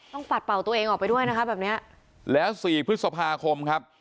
ปัดเป่าตัวเองออกไปด้วยนะคะแบบเนี้ยแล้วสี่พฤษภาคมครับ